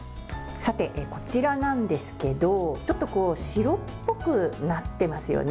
さて、こちらなんですけどちょっと白っぽくなっていますよね。